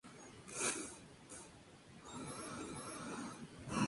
Eventualmente, se añadieron molinos más grandes, incluyendo compañías.